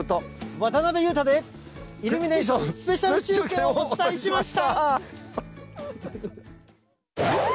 渡辺裕太で、イルミネーションスペシャル中継をお伝えしました。